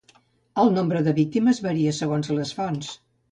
El nombre de les víctimes varia segons les fonts.